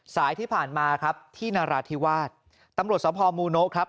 สายที่ผ่านมาครับที่นราธิวาสตำรวจสมภาพมูโนะครับ